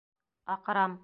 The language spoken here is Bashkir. Аҡырам.